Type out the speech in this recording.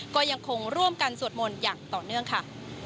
ก็ยังคงร่วมกันสวดมนต์อย่างต่อเนื่องค่ะ